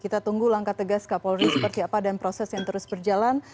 kita tunggu langkah tegas kapolri seperti apa dan proses yang terus berjalan